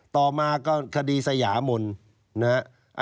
ต่อมาก็คดีสยามนนะฮะ